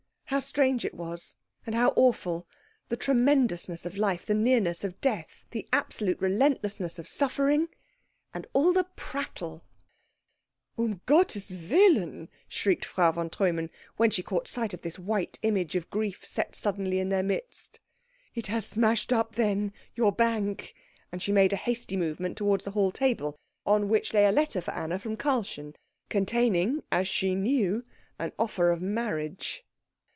How strange it was, and how awful, the tremendousness of life, the nearness of death, the absolute relentlessness of suffering, and all the prattle. "Um Gottes Willen!" shrieked Frau von Treumann, when she caught sight of this white image of grief set suddenly in their midst. "It has smashed up, then, your bank?" And she made a hasty movement towards the hall table, on which lay a letter for Anna from Karlchen, containing, as she knew, an offer of marriage.